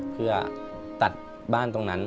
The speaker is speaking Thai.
เพื่อตัดบ้านตรงนั้น